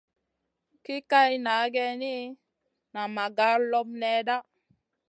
Ki kaï na geyni, nan ma gar loɓ nèhda.